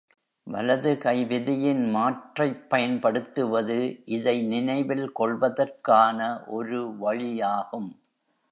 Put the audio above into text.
வலது கை விதியின் மாற்றைப் பயன்படுத்துவது, இதை நினைவில் கொள்வதற்கான ஒரு வழியாகும்.